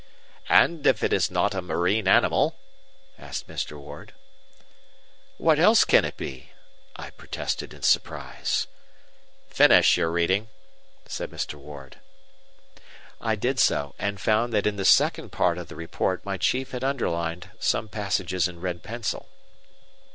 "And if it is not a marine animal?" asked Mr. Ward. "What else can it be?" I protested in surprise. "Finish your reading," said Mr. Ward. I did so; and found that in the second part of the report, my chief had underlined some passages in red pencil.